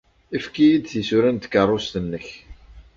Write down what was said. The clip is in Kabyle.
Efk-iyi-d tisura n tkeṛṛust-nnek.